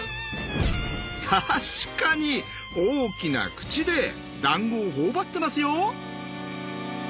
確かに大きな口でだんごを頬張ってますよ！